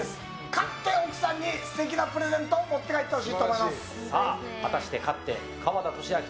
勝って奥さんに素敵なプレゼントを持って帰ってほしいと思います。